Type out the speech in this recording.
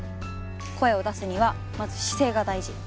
声を出すにはまず姿勢が大事。